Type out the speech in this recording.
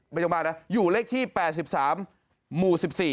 ไม่จังหวัดนะอยู่เลขที่๘๓หมู่๑๔